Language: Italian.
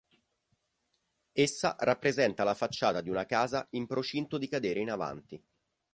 Essa rappresenta la facciata di una casa in procinto di cadere in avanti.